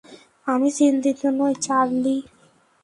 আমি চিন্তিত নই, চার্লি।